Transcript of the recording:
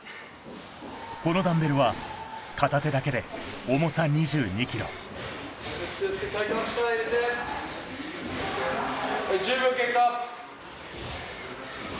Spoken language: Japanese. このダンベルは片手だけで重さ２２ｋｇ・体幹力入れて・はい１０秒経過